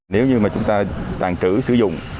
nếu như chúng ta tàn trữ sử dụng